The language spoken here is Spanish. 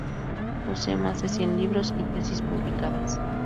Posee más de cien libros y tesis publicadas.